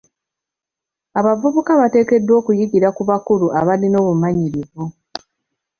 Abavubuka bateekeddwa okuyigira ku bakulu abalina obumanyirivu .